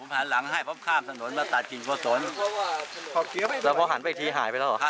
หันหลังให้ผมข้ามถนนมาตัดกิ่งกุศลแล้วพอหันไปอีกทีหายไปแล้วเหรอฮะ